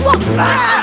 hu bareng udah